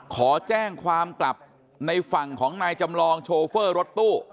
ขอแจ้งความกลับในฝั่งของนายจำลองโชเฟอร์รถตู้